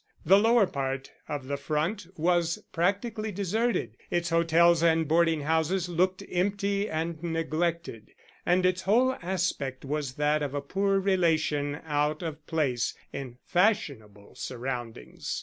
The lower part of the front was practically deserted, its hotels and boarding houses looked empty and neglected, and its whole aspect was that of a poor relation out of place in fashionable surroundings.